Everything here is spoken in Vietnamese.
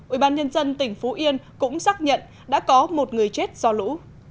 ubnd tỉnh phú yên cũng xác nhận đã có một người chết do lũ